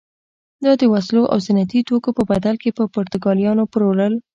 دا د وسلو او زینتي توکو په بدل کې پر پرتګالیانو پلورل.